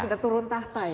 sudah turun tahta ya